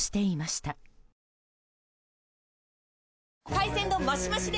海鮮丼マシマシで！